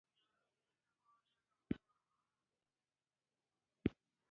څلورم کس له وړاندې استعفا کړې وه.